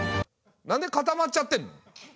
なんで固まっちゃってんの？